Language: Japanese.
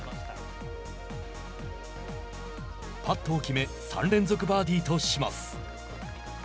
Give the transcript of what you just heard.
パットを決め３連続バーディーとします。